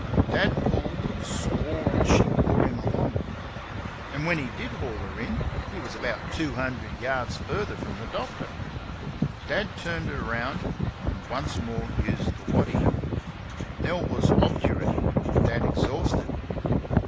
Dad pulled and swore as she bore him along. And when he did haul her in, he was two hundred yards further from the doctor. Dad turned her round and once more used the waddy. Nell was obdurate, Dad exhausted.